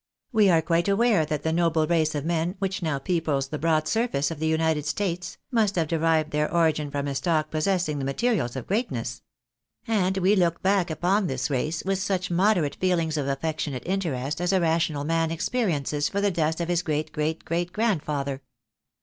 We are cLuite aware that the 64 THE BARNABYS IN AMERICA. noble race of men which now people the broad surface of the United States, must have derived their origin from a stock possess ing the materials of greatness. And we look back upon this race with such moderate feelings of affectionate interest as a rational man experiences for the dust of his great great great grandfather.